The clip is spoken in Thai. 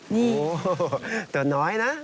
โหแต่น้อยนะ